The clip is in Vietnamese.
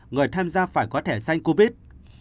người tham gia phải có thẻ sanh covid